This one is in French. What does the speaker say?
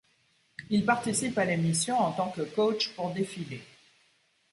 Il participe à l'émission en tant que coach pour défilés.